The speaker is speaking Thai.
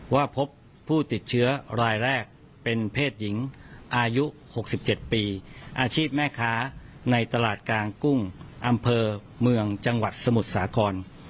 ว่าพบผู้ติดเชื้อรายแรกเป็นเพศหญิงอายุ๖๗ปีอาชีพแม่ค้าในตลาดกลางกุ้งอำเภอเมืองจังหวัดสมุทรสาคร